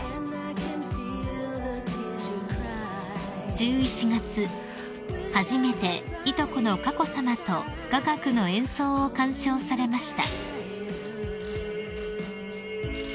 ［１１月初めていとこの佳子さまと雅楽の演奏を鑑賞されました］